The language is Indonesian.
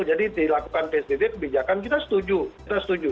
jadi dilakukan psbb kebijakan kita setuju